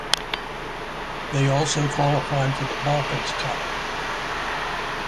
They also qualified for the Balkans Cup.